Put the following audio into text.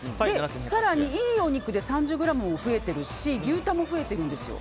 更に、いいお肉で３０ｇも増えてるし牛タンも増えてるんですよ。